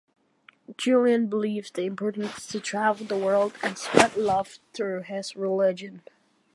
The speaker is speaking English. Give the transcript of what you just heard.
Julian believes the importance to travel the world and spread love through his religion.